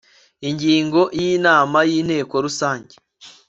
ingingo y' inama y inteko rusange